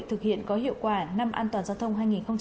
thực hiện có hiệu quả năm an toàn giao thông hai nghìn một mươi năm